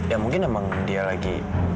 ya mungkin emang dia lagi